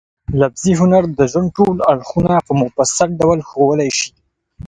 لفظي هنر د ژوند ټول اړخونه په مفصل ډول ښوولای شي.